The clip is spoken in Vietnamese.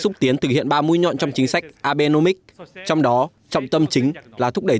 xúc tiến thực hiện ba mũi nhọn trong chính sách abnomic trong đó trọng tâm chính là thúc đẩy